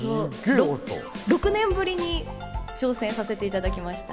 ６年ぶりに挑戦させていただきました。